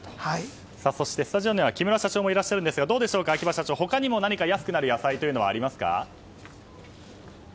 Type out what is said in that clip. そして、スタジオには木村社長もいらっしゃいますがどうでしょう、他にも安くなる野菜はありますか？